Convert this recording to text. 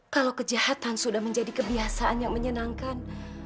kalau kejahatan sudah menjadi kebiasaan yang menyenangkan